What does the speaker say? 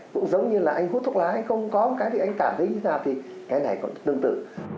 cũng giống như là anh hút thuốc lá anh không có cái gì anh cảm thấy như thế nào thì cái này còn tương tự